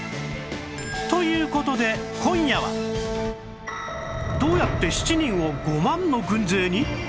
という事でどうやって７人を５万の軍勢に！？